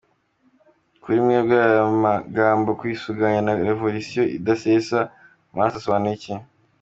Kuri mwebwe aya magambo «kwisuganya» na «Revolisiyo idasesa amaraso» asobanura iki ?